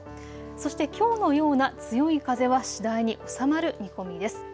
そしてきょうのような強い風は次第に収まる見込みです。